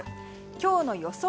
今日の予想